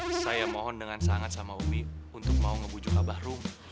saya mohon dengan sangat sama umi untuk mau ngebujuk abah rumi